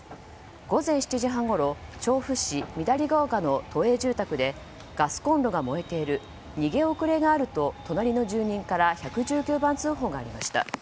午前７時半ごろ調布市緑ケ丘の都営住宅でガスコンロが燃えている逃げ遅れがあると隣の住人から１１９番通報がありました。